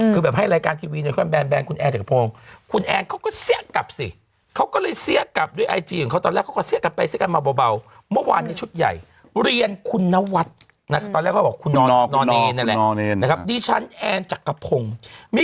คือแบบให้รายการทีวีแบรนด์คุณแอนจักรพงค์คุณแอนเขาก็เสี้ยะกลับสิ